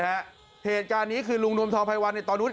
เหตุการณ์นี้คือลุงนวมทองภัยวันในตอนนู้น